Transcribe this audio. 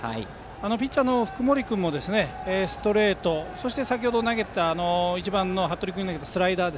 ピッチャーの福盛君もストレートそして１番の服部君に先ほど投げたスライダー。